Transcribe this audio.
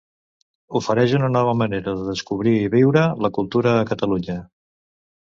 Ofereix una nova manera de descobrir i viure la cultura a Catalunya.